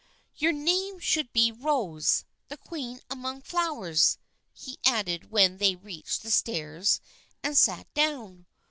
" Your name should be Rose, the queen among flowers," he added when they reached the stairs and sat down.